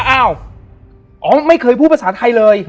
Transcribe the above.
อ้าวอ๋อไม่เคยพูดภาษาไทยเลย